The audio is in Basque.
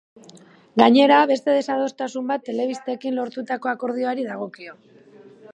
Gainera, beste desadostasun bat telebistekin lortutako akordioari dagokio.